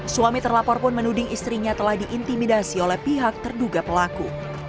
suami terlapor pun menuding istrinya telah diintimidasi oleh pihak terduga pelaku